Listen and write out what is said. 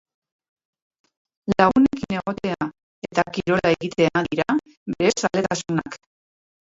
Lagunekin egotea eta kirola egitea dira bere zaletasunak.